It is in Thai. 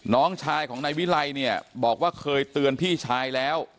น้องชายของนายวิไลเนี่ยบอกว่าเคยเตือนพี่ชายแล้ว